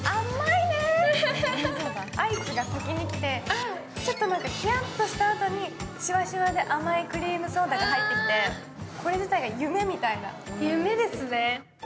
アイスが先に来て、ちょっとひやっとしたあとにシュワシュワで甘いクリームソーダが入ってきて、これ自体が夢見たいな。